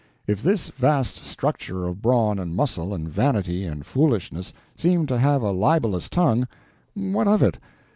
If this vast structure of brawn and muscle and vanity and foolishness seemed to have a libelous tongue, what of it?